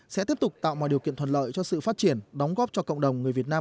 sẽ tiếp tục tạo mọi điều kiện thuận lợi cho sự phát triển đóng góp cho cộng đồng người việt nam